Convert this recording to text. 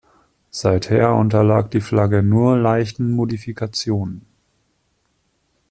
Seither unterlag die Flagge nur leichten Modifikationen.